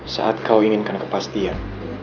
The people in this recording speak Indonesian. saat kau inginkan kepastian